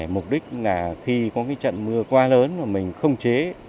mục đích là khi có trận mưa quá lớn mà mình không chế